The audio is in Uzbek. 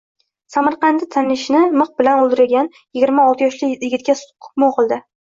Samarqandda tanishini mix bilan o‘ldirganyigirma oltiyoshli yigitga sud hukmi o‘qildi